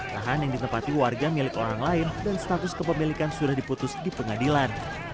lahan yang ditempati warga milik orang lain dan status kepemilikan sudah diputus di pengadilan